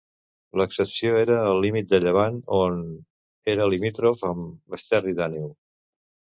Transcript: L'excepció era el límit de llevant, on era limítrof amb Esterri d'Àneu.